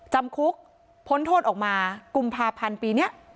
จำคุกพ้นโทษออกมากุมภาพันธ์ปีนี้